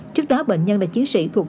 trước đó bệnh nhân là chiến sĩ thuộc